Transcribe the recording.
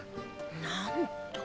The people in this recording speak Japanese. なんと！